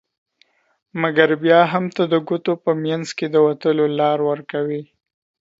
مګر بیا هم ته د ګوتو په میان کي د وتلو لار ورکوي